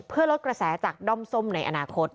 เพื่อลดกระแสจากด้อมส้มในอนาคต